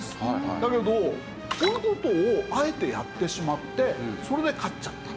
だけどこういう事をあえてやってしまってそれで勝っちゃった。